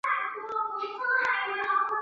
韩语社群常以南北关系称之。